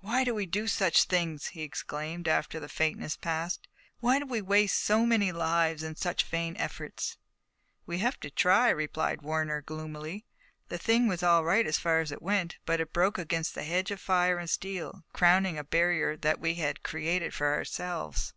"Why do we do such things?" he exclaimed, after the faintness passed. "Why do we waste so many lives in such vain efforts?" "We have to try," replied Warner, gloomily. "The thing was all right as far as it went, but it broke against a hedge of fire and steel, crowning a barrier that we had created for ourselves."